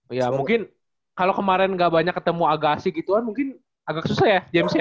iya mungkin kalo kemarin gak banyak ketemu agak asik gitu kan mungkin agak susah ya james ya